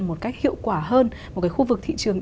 một cách hiệu quả hơn một cái khu vực thị trường